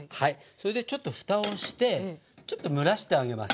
それでちょっとふたをしてちょっと蒸らしてあげます。